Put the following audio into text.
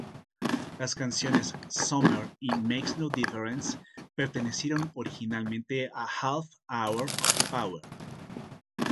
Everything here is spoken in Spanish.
Las canciones ""Summer"" y ""Makes No Difference"" pertenecieron originalmente a "Half Hour of Power".